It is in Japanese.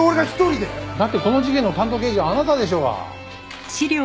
だってこの事件の担当刑事はあなたでしょうが。